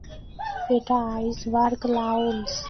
এটা iceberg lounge.